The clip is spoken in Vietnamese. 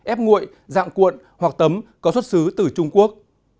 ép nguội dạng cuộn hoặc tấm có xuất xứ từ trung quốc